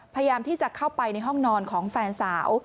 พยายามที่จะเข้าไปในห้องนอนของแฟนสาว